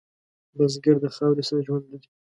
بزګر د خاورې سره ژوند لري